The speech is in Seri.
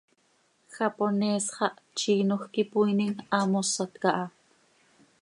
Japonees xah tziinoj quih ipooinim, haa mosat caha.